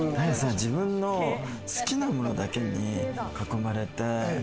自分の好きなものだけに囲まれて。